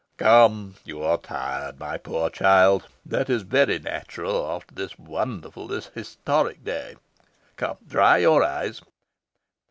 "Come, you are tired, my poor child. That is very natural after this wonderful, this historic day. Come dry your eyes.